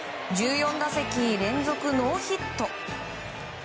１４打席連続ノーヒット。